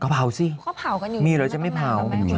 เขาเผากันอยู่ดีกว่าต้องกินไหมครับคุณแม่มีหรือจะไม่เผา